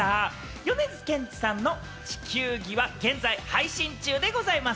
米津玄師さんの『地球儀』は現在、配信中でございます。